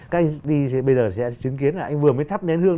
các anh đi bây giờ sẽ chứng kiến là anh vừa mới thắp nén hương